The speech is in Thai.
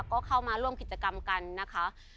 ก็เข้ามาร่วมกิจกรรมกันนะคะ